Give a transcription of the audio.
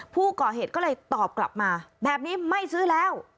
ผู้ก่อเหตุก็เลยตอบกลับมาแบบนี้ไม่ซื้อแล้ว